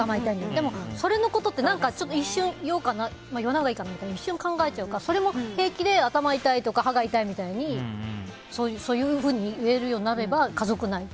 でも、それのことって一瞬言おうかな言わないほうがいいかなって考えちゃうから、それも平気で頭が痛いとか歯が痛いみたいにそういうふうに言えるようになれば、家族内で。